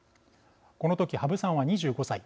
この時、羽生さんは２５歳。